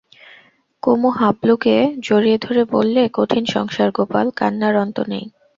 কুমু হাবলুকে জড়িয়ে ধরে বললে, কঠিন সংসার গোপাল, কান্নার অন্ত নেই।